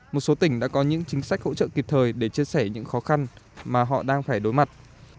một số tỉnh đã có những chính sách hỗ trợ kịp thời để chia sẻ những khó khăn mà họ đang phải đối mặt